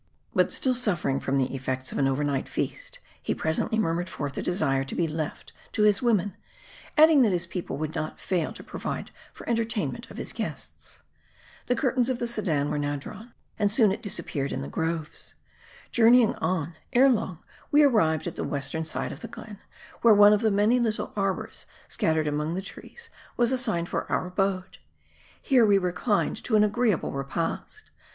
But still suffering from the effects of an overnight feast, he presently murmured forth a desire to be left to his wom en ; adding that his people would not fail to provide for the entertainment of his guests. The curtains of the sedan were now drawn ; and soon it disappeared in the groves. Journeying on, ere long we ar rived at the western side of the glen ; where one of the many little arbors scattered among the trees, was assigned for our abode. Here, we reclined to an agreeable repast.